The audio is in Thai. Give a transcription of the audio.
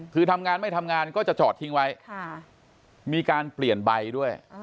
คือทำงานไม่ทำงานก็จะจอดทิ้งไว้มีการเปลี่ยนใบด้วย